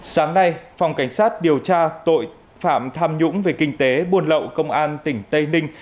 sáng nay phòng cảnh sát điều tra tội phạm tham nhũng về kinh tế buôn lậu công an tỉnh tây ninh